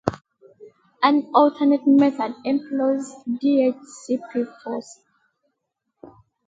An alternate method employs dhcpforce.